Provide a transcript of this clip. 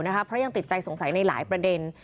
เพราะยังติดใจสงสัยในหลายประเด็น